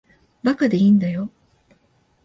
馬鹿でいいんだよ。